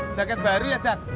jaket baru ya cat